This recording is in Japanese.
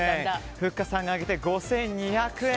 ふっかさんが上げて５２００円。